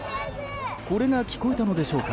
これが聞こえたのでしょうか。